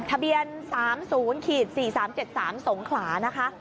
ทะเบียน๓๐๔๓๗๓สงขลานะคะ